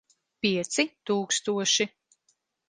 Pieci tūkstoši.